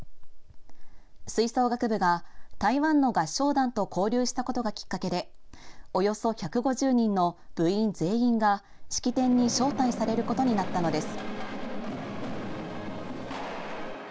吹奏楽部が台湾の合唱団と交流したことがきっかけでおよそ１５０人の部員全員が式典に招待されることになったのです。